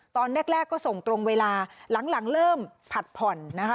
ตอนแรกก็ส่งตรงเวลาหลังเริ่มผัดผ่อนนะคะ